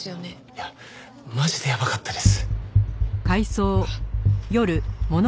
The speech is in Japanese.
いやマジでやばかったです。